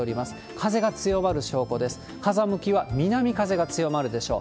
風向きは南風が強まるでしょう。